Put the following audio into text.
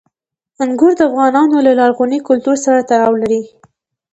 انګور د افغانانو له لرغوني کلتور سره تړاو لري.